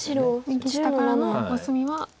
右下からのコスミは。